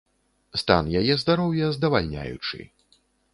Стан яе здароўя здавальняючы.